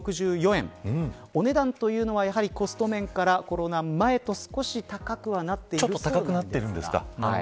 お値段というのはやはり、コスト面からコロナ前と少し高くはなっているんですが。